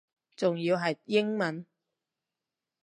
仲要係英文